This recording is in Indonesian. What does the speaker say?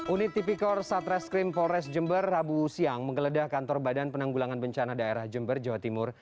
unit tipikor satreskrim polres jember rabu siang menggeledah kantor badan penanggulangan bencana daerah jember jawa timur